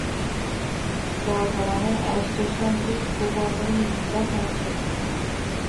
বর্তমানে স্টেশনটি ভূগর্ভে নির্মিত হচ্ছে।